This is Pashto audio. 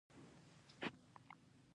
زه یو انجینر یم